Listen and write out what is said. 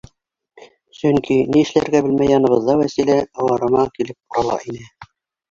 Сөнки, ни эшләргә белмәй, яныбыҙҙа Вәсилә ыуарама килеп урала ине.